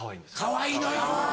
かわいいのよ。